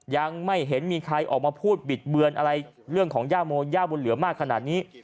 ยังไม่เห็นมีใครออกมาพูดบิดเบือนอะไรเรื่องของย่าโมย่าบุญเหลือมากขนาดนี้